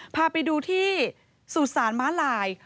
พาไปดูที่สุสานม้าลาย